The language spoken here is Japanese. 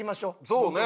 そうね。